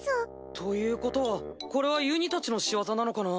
ということはこれはゆにたちの仕業なのかな？